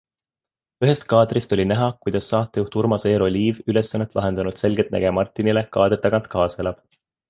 Ühest kaadrist oli näha, kuidas saatejuht Urmas Eero Liiv ülesannet lahendanud selgeltnägija Martinile kaadri tagant kaasa elab.